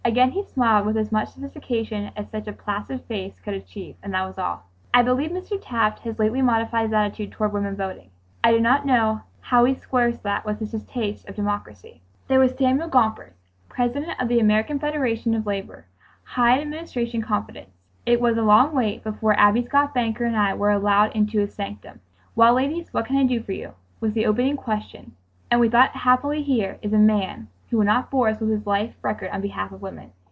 Again he smiled with as much sophistication as such a placid face could achieve, and that was all. I believe Mr. Taft has lately modified his attitude toward women voting. I do not know how he squares that with his distaste of democracy. There was Samuel Gompers, President of the American Federation of Labor, high in Administration confidence. It was a long wait before Abby Scott Baker and I were allowed into his sanctum. "Well, ladies, what can I do for you?" was the opening question, and we' thought happily here is a man who will not bore us with his life record on behalf of women.